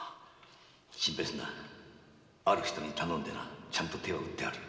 ある人に頼んでなちゃんと手は打ってあるよ。